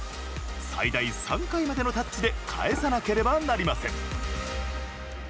最大３回までのタッチで返さなければなりません。